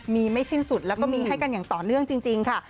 มีไม่สิ้นสุดแล้วก็มีให้กันอย่างต่อเนื่องจริงค่ะ